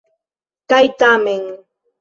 Kaj tamen.